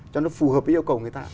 cho nó phù hợp với yêu cầu người ta